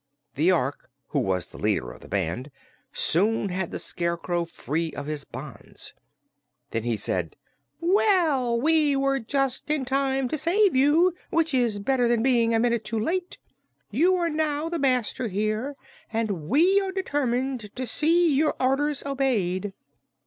The Ork, who was the leader of the band, soon had the Scarecrow free of his bonds. Then he said: "Well, we were just in time to save you, which is better than being a minute too late. You are now the master here, and we are determined to see your orders obeyed."